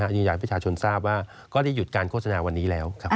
ยืนยันประชาชนทราบว่าก็ได้หยุดการโฆษณาวันนี้แล้ว